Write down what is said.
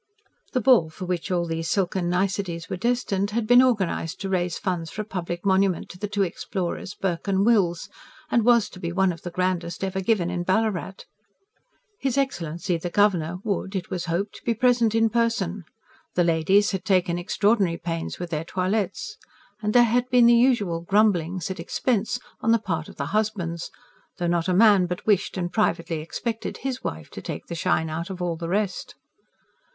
The ball for which all these silken niceties were destined had been organised to raise funds for a public monument to the two explorers, Burke and Wills, and was to be one of the grandest ever given in Ballarat. His Excellency the Governor would, it was hoped, be present in person; the ladies had taken extraordinary pains with their toilettes, and there had been the usual grumblings at expense on the part of the husbands though not a man but wished and privately expected HIS wife "to take the shine out of all the rest."